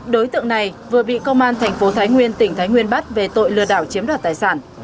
đối tượng này vừa bị công an thành phố thái nguyên tỉnh thái nguyên bắt về tội lừa đảo chiếm đoạt tài sản